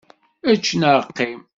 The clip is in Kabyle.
Ečč neɣ qqim!